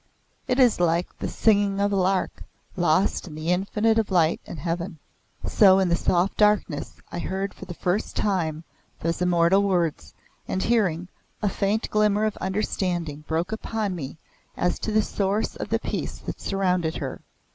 It is like the singing of a lark, lost in the infinite of light and heaven." So in the soft darkness I heard for the first time those immortal words; and hearing, a faint glimmer of understanding broke upon me as to the source of the peace that surrounded her.